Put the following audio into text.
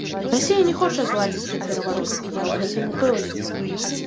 Расія не хоча зладзіць тут пераварот, я ў гэтым упэўнены.